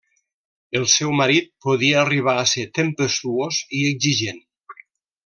El seu marit podia arribar a ser tempestuós i exigent.